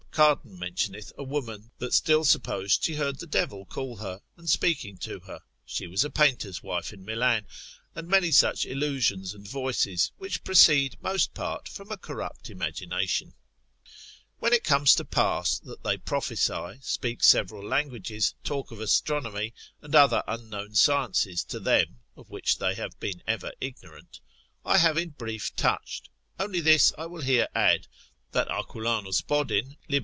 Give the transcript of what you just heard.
Cardan de rerum var. l. 15, c. 84, mentioneth a woman, that still supposed she heard the devil call her, and speaking to her, she was a painter's wife in Milan: and many such illusions and voices, which proceed most part from a corrupt imagination. Whence it comes to pass, that they prophesy, speak several languages, talk of astronomy, and other unknown sciences to them (of which they have been ever ignorant): I have in brief touched, only this I will here add, that Arculanus, Bodin. lib.